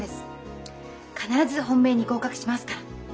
必ず本命に合格しますから。